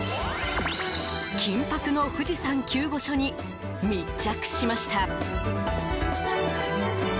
緊迫の富士山救護所に密着しました。